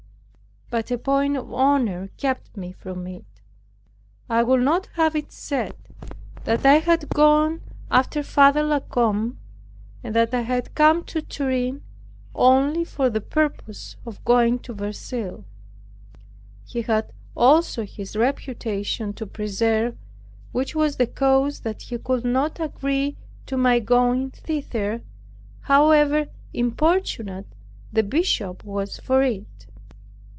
But a point of honor kept me from it. I would not have it said that I had gone after Father La Combe, and that I had come to Turin only for the purpose of going to Verceil. He had also his reputation to preserve, which was the cause that he could not agree to my going thither, however importunate the Bishop was for it.